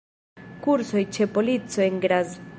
Kursoj ĉe polico en Graz.